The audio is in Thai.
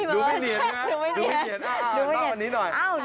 ดูไม่เหนียนนะดูไม่เหนียนดูไม่เหนียน